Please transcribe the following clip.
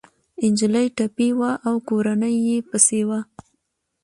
انجلۍ ټپي وه او کورنۍ يې پسې وه